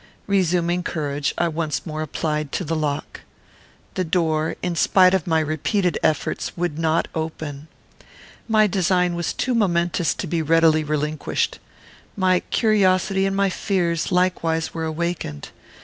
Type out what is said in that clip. Resuming courage, I once more applied to the lock. The door, in spite of my repeated efforts, would not open. My design was too momentous to be readily relinquished. My curiosity and my fears likewise were awakened.